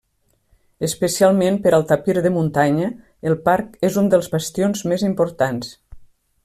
Especialment per al tapir de muntanya, el parc és un dels bastions més importants.